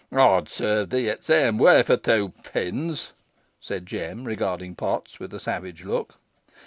"Ey'd sarve thee i' t' same way, fo' two pins," said Jem, regarding Potts with a savage look.